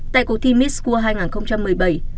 tại cuộc thi miss world hai nghìn một mươi bảy